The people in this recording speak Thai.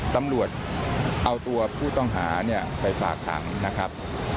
ตำรวจเอาตัวผู้ต้องหาเนี่ยไปฝากขังนะครับ